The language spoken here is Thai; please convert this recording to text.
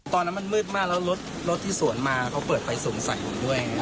ตอนนั้นมันมืดมากแล้วรถที่สวนมาเขาเปิดไฟสูงใส่ผมด้วย